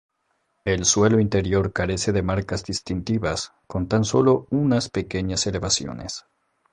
El suelo interior carece de marcas distintivas, con tan solo unas pequeñas elevaciones.